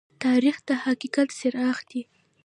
تاریخ د حقیقت څراغ دى.